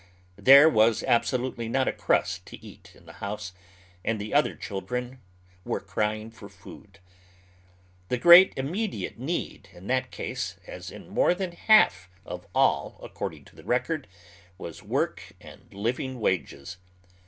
There was absolutely not a crust to eat in the house, and the otiier children were crying for food. The great immediate need in that case, as in more than half of all according to tlie I'ecord, was work and liv ing wages.